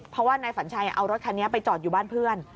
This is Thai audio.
เพราะว่านายฝันชัยเอารถคันนี้ไปจอดอยู่บ้านเพื่อน